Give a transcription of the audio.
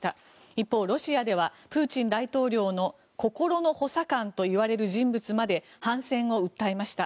一方、ロシアではプーチン大統領の心の補佐官といわれる人物まで反戦を訴えました。